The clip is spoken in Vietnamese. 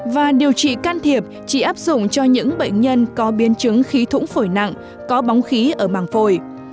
và điều trị can thiệp chỉ áp dụng cho những bệnh nhân có biến chứng khí thủng phổi nặng có bóng khí ở màng phổi